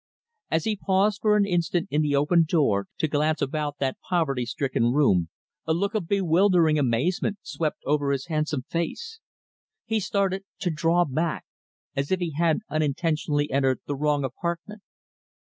As he paused an instant in the open door to glance about that poverty stricken room, a look of bewildering amazement swept over his handsome face. He started to draw back as if he had unintentionally entered the wrong apartment.